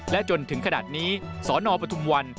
และจนถึงขนาดนี้สนปทุมวัน